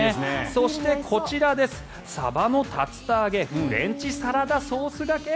そしてこちら、さばの竜田揚げフレンチサラダソースがけ。